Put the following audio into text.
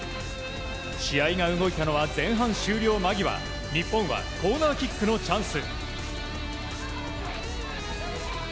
試合が動いたのは前半終了間際日本はコーナーキックのチャンス。